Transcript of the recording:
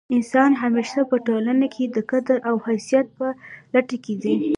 انسان همېشه په ټولنه کښي د قدرت او حیثیت په لټه کښي دئ.